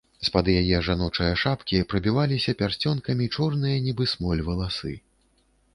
З-пад яе жаночае шапкі прабіваліся пярсцёнкамі чорныя, нібы смоль, валасы.